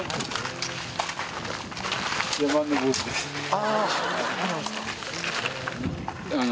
ああ。